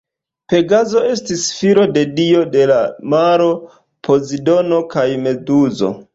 Pegazo estis filo de dio de la maro Pozidono kaj Meduzo.